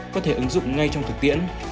có thể ứng dụng ngay trong thực tiễn